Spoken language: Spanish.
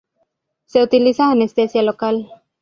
Se utiliza anestesia local.